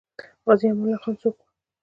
غازي امان الله څوک وو؟